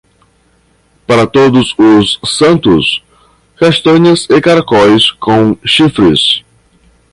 Para todos os santos, castanhas e caracóis com chifres.